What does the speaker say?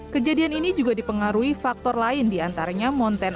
kejadian ini juga dipengaruhi faktor lain di antaranya monten